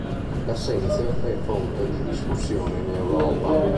L'Assenzio è fonte di discussione in Europa.